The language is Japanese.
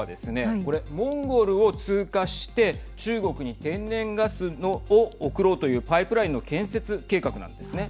これ、モンゴルを通過して中国に天然ガスを送ろうというパイプラインの建設計画なんですね。